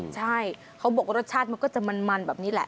ใช่เขาบอกว่ารสชาติมันก็จะมันแบบนี้แหละ